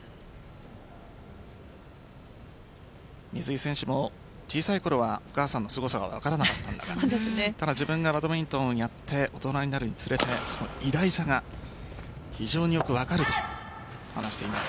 水井選手も小さいころはお母さんのすごさが分からなかった中ただ、自分がバドミントンをやって、大人になるにつれてその偉大さが非常によく分かると話しています。